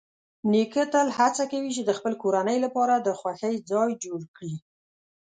نیکه تل هڅه کوي چې د خپل کورنۍ لپاره د خوښۍ ځای جوړ کړي.